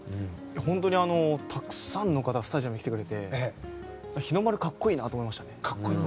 本当にたくさんの方スタジアムに来てくれて日の丸、格好いいなと思いましたね。